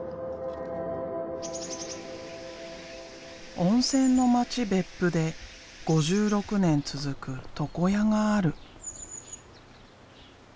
温泉の町別府で５６年続く床屋がある。